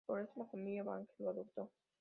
Por esto la familia Danvers la adoptó.